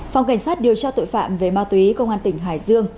phòng cảnh sát điều tra tội phạm về ma túy công an tỉnh hải dương